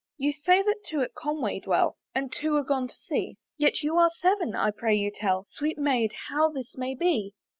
"You say that two at Conway dwell, "And two are gone to sea, "Yet you are seven; I pray you tell "Sweet Maid, how this may be?"